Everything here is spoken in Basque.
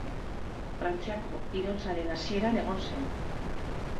Frantziako iraultzaren hasieran egon zen.